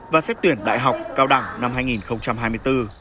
và xét tuyển đại học cao đẳng năm hai nghìn hai mươi bốn